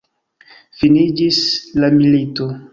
Finiĝis la milito!